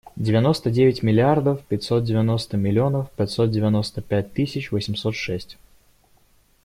Девяносто девять миллиардов пятьсот девяносто миллионов пятьсот девяносто пять тысяч восемьсот шесть.